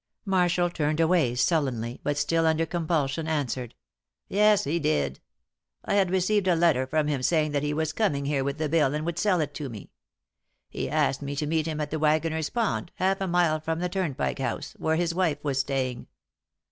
Marshall turned away sullenly, but still under compulsion answered: "Yes, he did. I had received a letter from him saying that he was coming here with the bill and would sell it to me. He asked me to meet him at the Waggoner's Pond, half a mile from the Turnpike House, where his wife was staying.